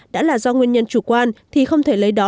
đã là do nguyên nhân chủ quan thì không thể lấy đó